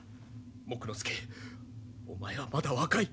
木工助お前はまだ若い。